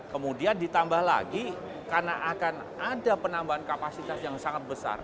kemudian ditambah lagi karena akan ada penambahan kapasitas yang sangat besar